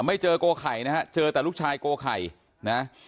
ไม่เจอโกไข่นะฮะเจอแต่ลูกชายโกไข่นะ